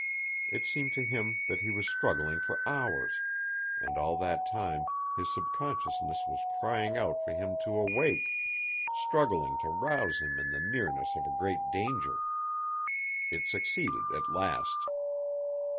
It seemed to him that he was struggling for hours, and all that time his subconsciousness was crying out for him to awake, struggling to rouse him to the nearness of a great danger. It succeeded at last.